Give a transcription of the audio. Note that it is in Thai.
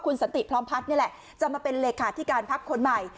สันติพร้อมพัฒน์นี่แหละจะมาเป็นเลขาธิการพักคนใหม่